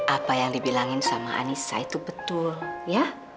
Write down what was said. apa yang dibilangin sama anissa itu betul ya